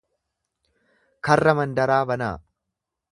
Karra mandaraa banaa.